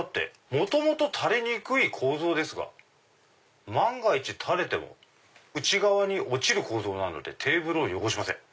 「元々垂れにくい構造ですが万が一垂れても内側に落ちる構造なのでテーブルを汚しません」。